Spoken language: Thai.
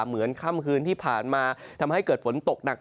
เหมือนค่ำคืนที่ผ่านมาทำให้เกิดฝนตกหนัก